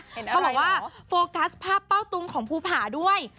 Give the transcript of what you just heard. เขาบอกว่าโฟกัสภาพเป้าตุงของภูผาด้วย